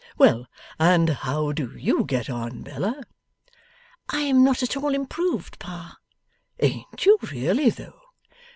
Well, and how do you get on, Bella?' 'I am not at all improved, Pa.' 'Ain't you really though?